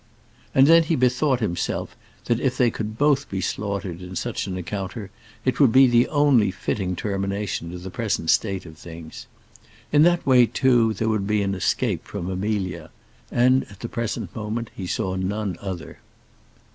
And then he bethought himself that if they could both be slaughtered in such an encounter it would be the only fitting termination to the present state of things. In that way, too, there would be an escape from Amelia, and, at the present moment, he saw none other.